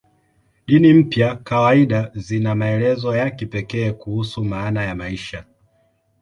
Dini mpya kawaida zina maelezo ya kipekee kuhusu maana ya maisha.